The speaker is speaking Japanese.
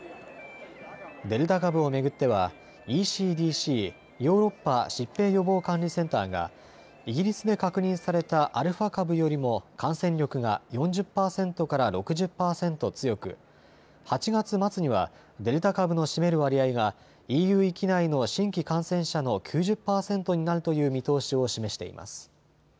デルタ株を巡ってはＥＣＤＣ・ヨーロッパ疾病予防管理センターが、イギリスで確認されたアルファ株よりも感染力が４０％から６０％強く８月末にはデルタ株の占める割合がＥＵ域内の新規感染者の９０％になるという見通しを示しています。